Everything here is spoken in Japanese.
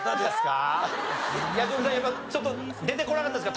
彌十郎さんやっぱちょっと出てこなかったですか？